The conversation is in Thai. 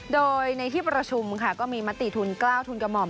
โดยในที่ประชุมค่ะก็มีมติทุน๙ทุนกระหม่อม